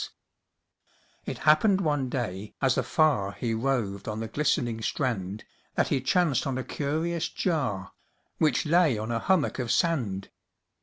It happened one day, as afar He roved on the glistening strand, That he chanced on a curious jar, Which lay on a hummock of sand.